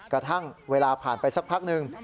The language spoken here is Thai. กระทั่งเวลาผ่านไปสักพักหนึ่ง